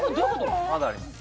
まだあります。